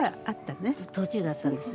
途中だったんですよ。